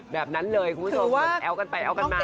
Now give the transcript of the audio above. แบบนั้นเลยคุณผู้ชมแอ้วกันไปเอากันมา